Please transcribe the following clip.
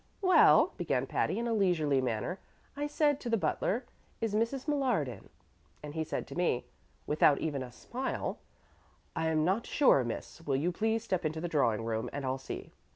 "Well," began Patty, in a leisurely manner, "I said to the butler, 'Is Mrs. Millard in?' and he said to me (without even a smile), 'I am not sure, miss; will you please step into the drawing room and I'll see.'